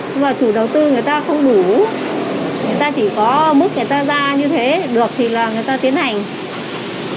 nhưng mà chủ đầu tư người ta không đủ người ta chỉ có mức người ta ra như thế được thì là người ta tiến hành